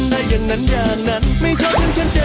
ดูแล้วคงไม่รอดเพราะเราคู่กัน